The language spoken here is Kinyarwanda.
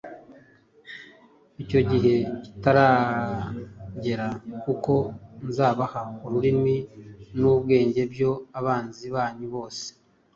icyo gihe kitaragera: kuko nzabaha ururimi n’ubwenge, ibyo abanzi banyu bose